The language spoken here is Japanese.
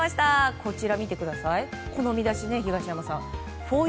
こちら見てください